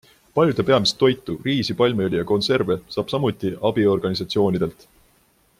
Paljude peamist toitu - riisi, palmiõli ja konserve - saab samuti abiorganisatsioonidelt.